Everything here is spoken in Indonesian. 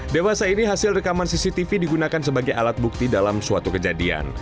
dewasa ini hasil rekaman cctv digunakan sebagai alat bukti dalam suatu kejadian